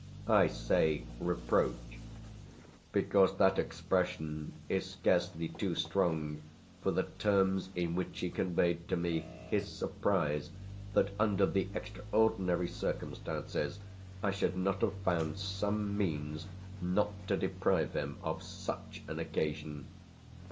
I say "reproach" because that expression is scarcely too strong for the terms in which he conveyed to me his surprise that under the extraordinary circumstances I should not have found some means not to deprive him of such an occasion.